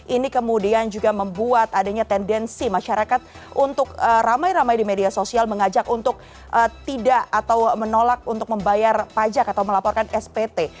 ini kemudian juga membuat adanya tendensi masyarakat untuk ramai ramai di media sosial mengajak untuk tidak atau menolak untuk membayar pajak atau melaporkan spt